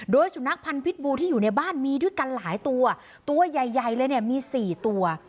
โดยสุนัขพันธ์พิษบูที่อยู่ในบ้านมีด้วยกันหลายตัวตัวใหญ่ใหญ่เลยเนี่ยมี๔ตัว